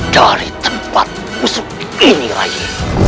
dari tempat musuh ini rai